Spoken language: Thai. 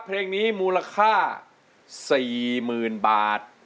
เพลงนี้มูลค่า๔๐๐๐บาท